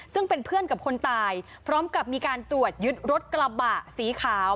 ซึ่งเป็นเพื่อนกับคนตายพร้อมกับมีการตรวจยึดรถกระบะสีขาว